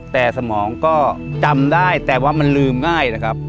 แต่สมองก็จำได้แต่ว่ามันลืมง่ายนะครับ